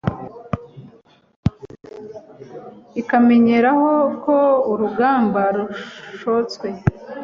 ikamenyeraho ko urugamba rushotswe